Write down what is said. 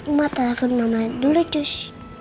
aku mau telepon mamanya dulu cus